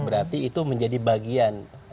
berarti itu menjadi bagian tim kita